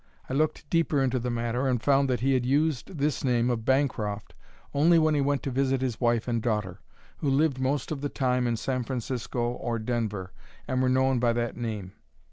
I looked deeper into the matter and found that he had used this name of Bancroft only when he went to visit his wife and daughter, who lived most of the time in San Francisco or Denver, and were known by that name.